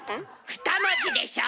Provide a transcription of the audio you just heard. ２文字でしょ？